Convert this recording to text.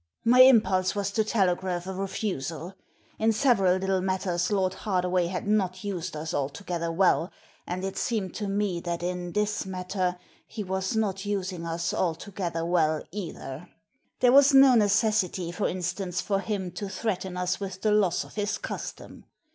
" "My impulse was to telegraph a refusal. In Digitized by VjOOQIC 252 THE SEEN AND THE UNSEEN several little matters Lord Hardaway had not used us altogether well, and it seemed to me that in this matter he was not using us altc^ether well either; there was no necessity, for instance, for him to threaten us with the loss of his custom.